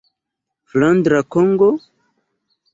Flandra Kongo?